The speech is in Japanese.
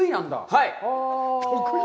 はい！